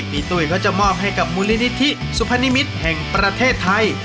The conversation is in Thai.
ตุ้ยก็จะมอบให้กับมูลนิธิสุพนิมิตรแห่งประเทศไทย